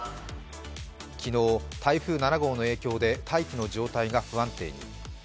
昨日、台風７号の影響で大気の状態が不安定に。